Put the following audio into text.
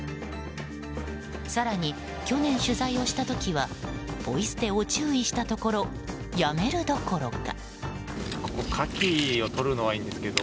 更に去年、取材をした時はポイ捨てを注意したところやめるどころか。